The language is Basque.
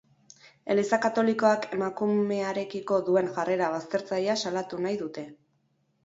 Eliza katolikoak emakumearekiko duen jarrera baztertzailea salatu nahi izan dute.